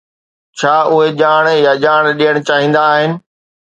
ڇا اهي ڄاڻ يا ڄاڻ ڏيڻ چاهيندا آهن؟